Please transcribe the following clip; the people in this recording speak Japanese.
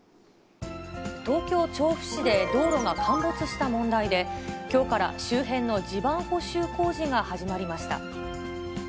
東京・調布市で道路が陥没した問題で、きょうから周辺の地盤補修工事が始まりました。